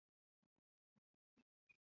不等边三角形的内角总是各不相同。